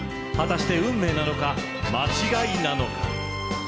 果たして運命なのか間違いなのか。